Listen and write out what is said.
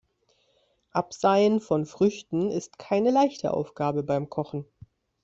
Abseien von Früchten ist keine leichte Aufgabe beim Kochen.